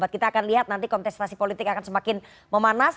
kita akan lihat nanti kontestasi politik akan semakin memanas